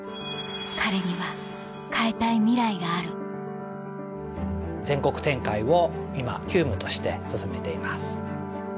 彼には変えたいミライがある全国展開を今急務として進めています。